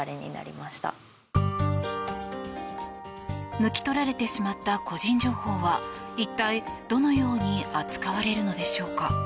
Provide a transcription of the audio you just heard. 抜き取られてしまった個人情報は一体、どのように扱われるのでしょうか。